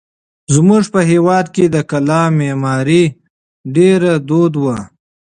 زموږ په هېواد کې د کلا معمارۍ ډېره دود وه.